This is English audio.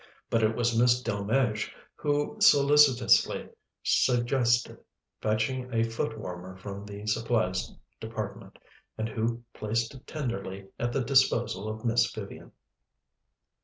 But it was Miss Delmege who solicitously suggested fetching a foot warmer from the Supplies Department, and who placed it tenderly at the disposal of Miss Vivian.